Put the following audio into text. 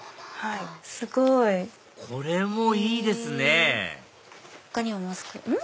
すごい！これもいいですねうん？